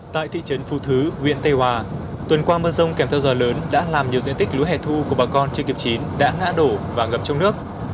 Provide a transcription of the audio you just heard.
tại thị trấn phù thứ huyện tây hòa tuần qua mưa rông kèm theo gió lớn đã làm nhiều diện tích lúa hẻ thu của bà con chưa kịp chín đã ngã đổ và ngập trong nước